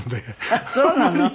ああそうなの？